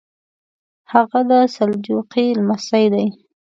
هغه د سلجوقي لمسی دی.